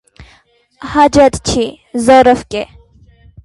- Հաջաթ չի, զոռով կե: